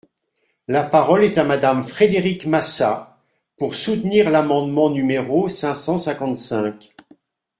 La parole est à Madame Frédérique Massat, pour soutenir l’amendement numéro cinq cent cinquante-cinq.